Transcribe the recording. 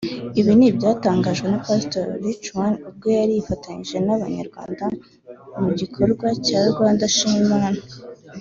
Ibi ni ibyatangajwe na pastor Rick Warren ubwo yari yifatanije n’abanyarwa mu gikorwa cya Rwanda Shima Imana